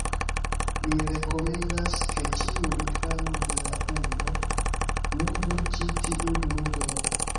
Mi rekomendas ke ĉiuj infanoj de la mondo ludu ĉi tiun ludon!